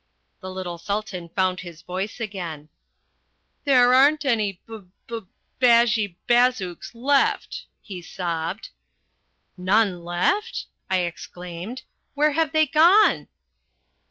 The little Sultan found his voice again. "There aren't any Bub Bub Bashi Bazouks left," he sobbed. "None left?" I exclaimed. "Where are they gone?"